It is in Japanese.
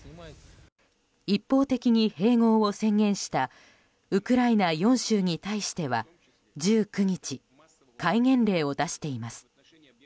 一方的に併合を宣言したウクライナ４州に対しては１９日、戒厳令を出しています。